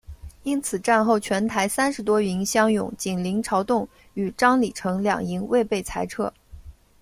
因此战后全台三十多营乡勇仅林朝栋与张李成两营未被裁撤。